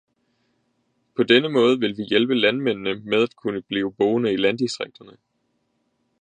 På denne måde ville vi hjælpe landmændene med at kunne blive boende i landdistrikterne.